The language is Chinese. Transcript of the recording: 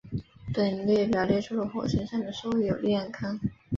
本列表列出了火星上的所有链坑。